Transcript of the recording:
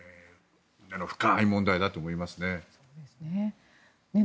深い問題だと思いますね。